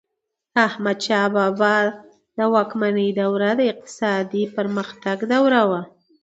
د احمدشاه بابا د واکمنۍ دوره د اقتصادي پرمختګ دوره وه.